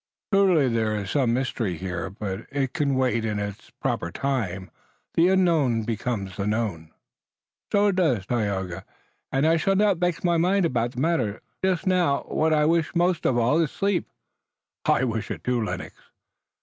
"Truly there is some mystery here, but it can wait. In its proper time the unknown becomes the known." "So it does, Tayoga, and I shall not vex my mind about the matter. Just now, what I wish most of all is sleep." "I wish it too, Lennox."